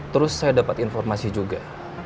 terus saya dapat informasi juga